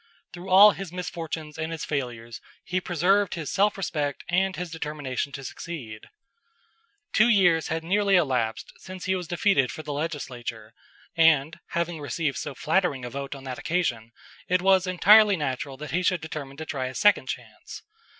Through all his misfortunes and his failures, he preserved his self respect and his determination to succeed. Two years had nearly elapsed since he was defeated for the legislature, and, having received so flattering a vote on that occasion, it was entirely natural that he should determine to try a second chance.